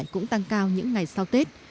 cũng tăng cao những ngày sau tết